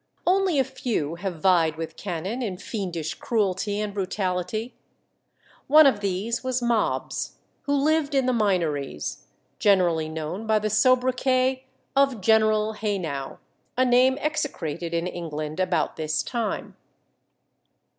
Only a few have vied with Cannon in fiendish cruelty and brutality. One of these was Mobbs, who lived in the Minories, generally known by the soubriquet of "General Haynau," a name execrated in England about this time.